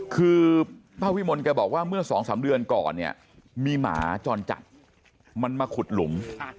คือพ่อพิมนต์แกบอกว่าเมื่อง๒๓เดือนก่อนมีหมาจรจักรมันมาขุดหลุม